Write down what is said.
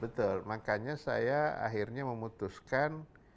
betul makanya saya akhirnya memutuskan